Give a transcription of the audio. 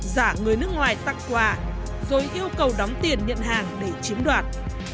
giả người nước ngoài tặng quà rồi yêu cầu đóng tiền nhận hàng để chiếm đoạt